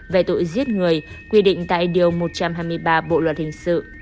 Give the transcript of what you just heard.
về tội giết người quy định tại điều một trăm hai mươi ba bộ luật hình sự